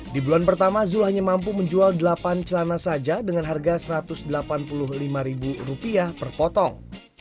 di bulan pertama zul hanya mampu menjual delapan celana saja dengan harga rp satu ratus delapan puluh lima per potong